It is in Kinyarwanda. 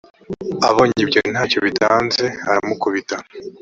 abonye ibyo nta cyo bitanze aramukubita